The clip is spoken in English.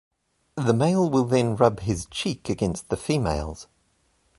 The male will then rub his cheek against the female's.